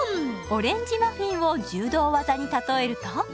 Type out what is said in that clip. オレンジマフィンを柔道技に例えると？